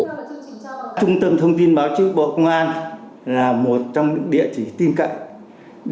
trung tâm thông tin báo chí bộ công an là một trong những địa chỉ tiêm cận